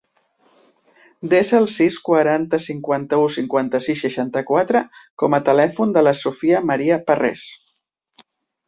Desa el sis, quaranta, cinquanta-u, cinquanta-sis, seixanta-quatre com a telèfon de la Sofia maria Parres.